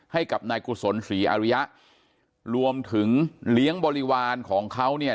ให้กับนายกุศลศรีอริยะรวมถึงเลี้ยงบริวารของเขาเนี่ย